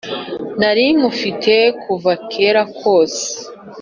nari nywufite kuva kera kose,